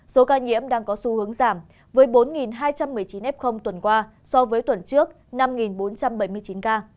số ca nhiễm đang có xu hướng giảm với bốn hai trăm một mươi chín f tuần qua so với tuần trước năm bốn trăm bảy mươi chín ca